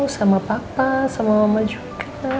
sama papa sama mama juga